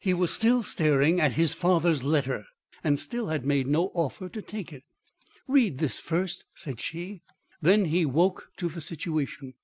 He was still staring at his father's letter; and still had made no offer to take it. "Read this first," said she. Then he woke to the situation.